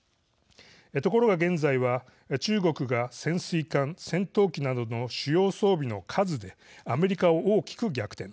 ところが現在は、中国が潜水艦、戦闘機などの主要装備の数でアメリカを大きく逆転。